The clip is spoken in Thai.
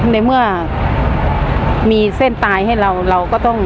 ในเมื่อมีเส้นตายให้เรา